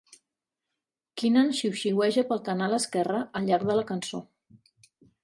Keenan xiuxiueja pel canal esquerre al llarg de la cançó.